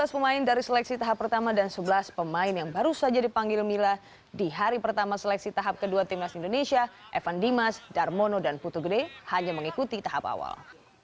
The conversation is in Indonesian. lima belas pemain dari seleksi tahap pertama dan sebelas pemain yang baru saja dipanggil mila di hari pertama seleksi tahap kedua timnas indonesia evan dimas darmono dan putu gede hanya mengikuti tahap awal